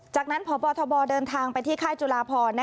จากนั้นพบทบเดินทางไปที่ค่ายจุลาพร